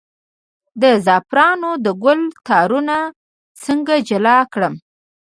د زعفرانو د ګل تارونه څنګه جلا کړم؟